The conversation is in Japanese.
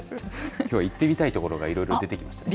きょうは行ってみたい所がいろいろ出てきましたね。